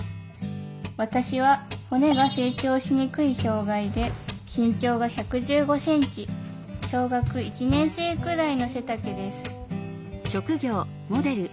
私は骨が成長しにくい障害で身長が１１５センチ小学１年生ぐらいの背丈です